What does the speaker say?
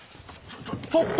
ちょちょっと！